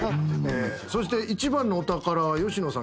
そして一番のお宝は吉野さん